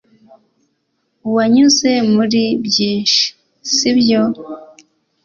Wanyuze muri byinshi, sibyo?